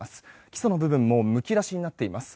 基礎の部分もむき出しになっています。